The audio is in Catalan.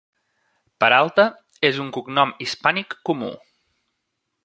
Peralta és un cognom hispànic comú.